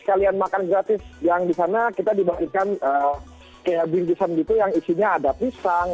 sekalian makan gratis yang di sana kita dibagikan kayak bingkisan gitu yang isinya ada pisang